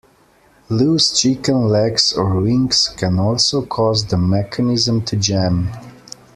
Loose chicken legs or wings can also cause the mechanism to jam.